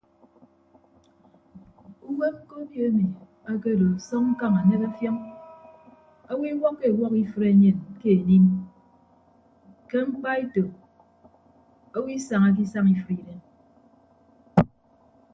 Uwem ke obio emi akedo asọñ ñkañ anek ọfiọñ owo iwọkkọ ewọk ifre enyen ke enịm ke mkpaeto owo isañake isañ ifre idem.